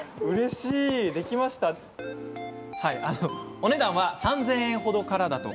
お値段は３０００円ほどから。